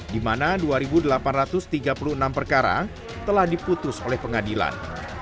di mana dua delapan ratus tiga puluh enam perkara telah diputus oleh pengadilan